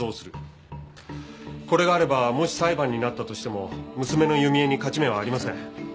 これがあればもし裁判になったとしても娘の弓枝に勝ち目はありません。